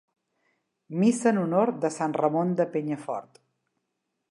Missa en honor de Sant Ramon de Penyafort.